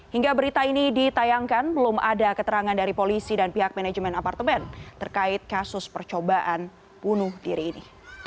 hingga berita ini ditayangkan belum ada keterangan dari polisi dan pihak manajemen apartemen terkait kasus percobaan bunuh diri ini